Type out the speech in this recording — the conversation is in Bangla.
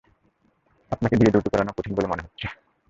আপনাকে দিয়ে ডিউটি করানো কঠিন বলে মনে হচ্ছে।